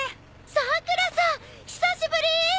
さくらさん久しぶり！